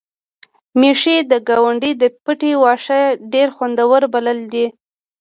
میښې د ګاونډي د پټي واښه ډېر خوندور بللي دي.